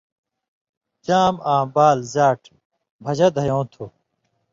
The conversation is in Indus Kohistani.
چام آں بال/ژاٹ بھَژَہ دَھیٶں تھُو۔